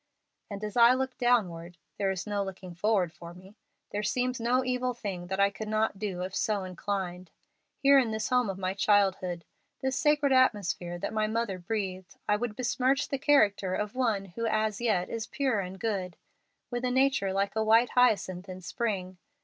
And as I look downward there is no looking forward for me there seems no evil thing that I could not do if so inclined. Here in this home of my childhood, this sacred atmosphere that my mother breathed, I would besmirch the character of one who as yet is pure and good, with a nature like a white hyacinth in spring.